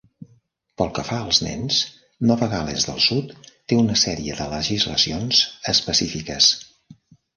Pel que fa als nens, Nova Gal·les del Sud té una sèrie de legislacions específiques.